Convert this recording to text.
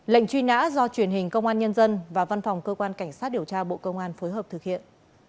lệnh truy nã do truyền hình công an nhân dân và văn phòng cơ quan cảnh sát điều tra bộ công an phối hợp thực hiện